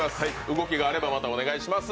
動きがあればまたお願いします。